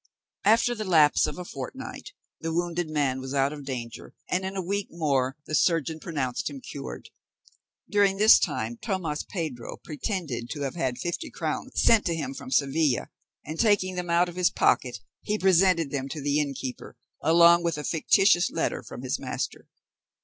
After the lapse of a fortnight the wounded man was out of danger, and in a week more, the surgeon pronounced him cured. During this time, Tomas Pedro pretended to have had fifty crowns sent to him from Seville, and taking them out of his pocket, he presented them to the innkeeper, along with a fictitious letter from his master.